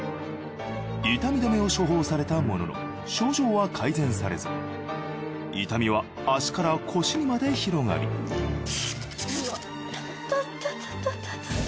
痛み止めを処方されたものの症状は改善されず痛みは足から腰にまで広がりイタタタタタ。